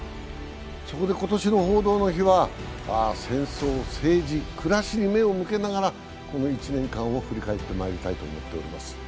そこで今年の「報道の日」は戦争・政治・暮らしに目を向けながらこの１年間を振り返ってまいりたいと思っております。